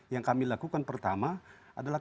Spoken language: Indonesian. yang kami lakukan pertama adalah